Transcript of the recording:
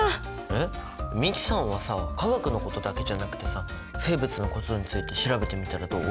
えっ美樹さんはさ化学のことだけじゃなくてさ生物のことについて調べてみたらどう？